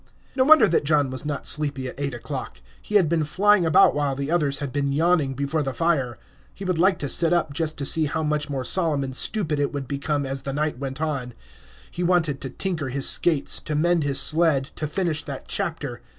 No wonder that John was not sleepy at eight o'clock; he had been flying about while the others had been yawning before the fire. He would like to sit up just to see how much more solemn and stupid it would become as the night went on; he wanted to tinker his skates, to mend his sled, to finish that chapter.